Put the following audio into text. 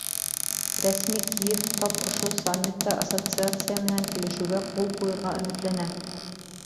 Рәсми Киев тап ошо саммитта Ассоциация менән килешеүгә ҡул ҡуйырға өмөтләнә.